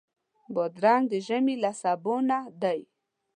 بادرنګ د ژمي له سبو نه دی.